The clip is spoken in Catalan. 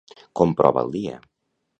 Com prova el dia?